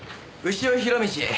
潮弘道。